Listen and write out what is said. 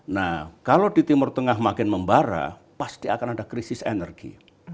nah kalau di timur tengah makin membara pasti akan ada krisis energi